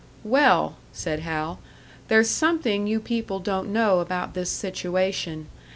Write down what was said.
"Well," said Hal, "there's something you people don't know about this situation.